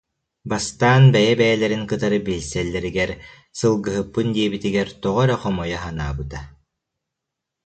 Бастаан бэйэ-бэйэлэрин кытары билсэл- лэригэр сылгыһыппын диэбитигэр тоҕо эрэ хомойо санаабыта